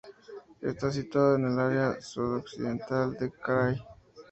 Está situado en el área sudoccidental del krai.